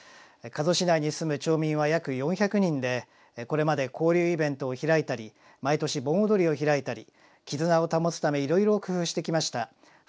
加須市内に住む町民は約４００人でこれまで交流イベントを開いたり毎年盆踊りを開いたり絆を保つためいろいろ工夫してきました。